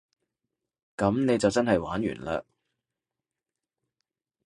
噉你就真係玩完嘞